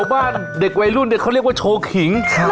บ้านเด็กวัยรุ่นเขาเรียกว่าโชว์ขิง